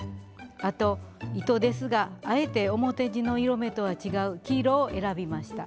あと糸ですがあえて表地の色めとは違う黄色を選びました。